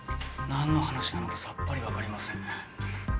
何の話なのかさっぱり分かりません。